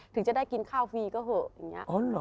ถึงจะได้กินข้าวฟรีก็เหอะอย่างนี้